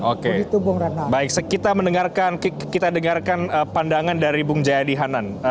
oke baik kita mendengarkan pandangan dari bung jayadi hanan